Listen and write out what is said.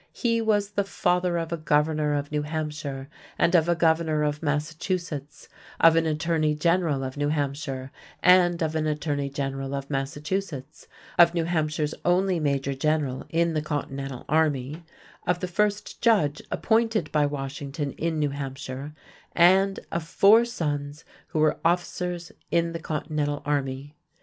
He was the father of a governor of New Hampshire and of a governor of Massachusetts; of an attorney general of New Hampshire and of an attorney general of Massachusetts; of New Hampshire's only major general in the Continental army; of the first judge appointed by Washington in New Hampshire; and of four sons who were officers in the Continental army.